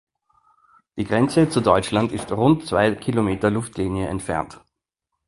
Die Grenze zu Deutschland ist rund zwei Kilometer Luftlinie entfernt.